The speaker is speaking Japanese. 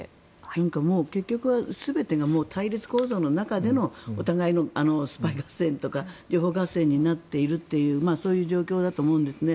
結局、全てが対立構造の中でのお互いのスパイ合戦とか情報合戦になっているというそういう状況だと思うんですね。